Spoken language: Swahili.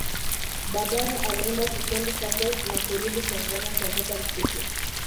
Baadaye, aliunda kikundi chake na kurudi Tanzania kwa muda mfupi.